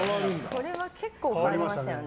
これは結構変わりましたよね。